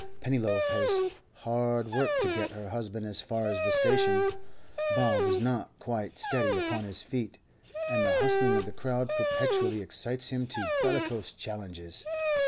Pennyloaf has hard work to get her husband as far as the station; Bob is not quite steady upon his feet, and the hustling of the crowd perpetually excites him to bellicose challenges.